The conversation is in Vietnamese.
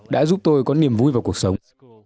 đã giúp tôi có niềm vui vào cuộc sống